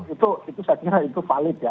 itu saya kira itu valid ya